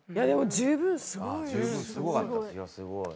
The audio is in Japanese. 十分すごかった。